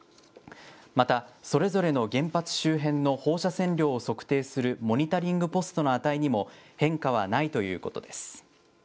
またそれぞれの原発周辺の放射線量を測定するモニタリングポストの値にも、変化はないということです。